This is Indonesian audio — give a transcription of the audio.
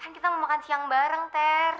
kan kita mau makan siang bareng ter